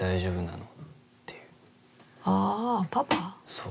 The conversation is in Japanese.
そう。